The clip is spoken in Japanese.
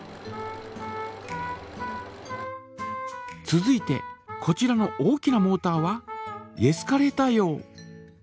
続いてこちらの大きなモータはエスカレーター用。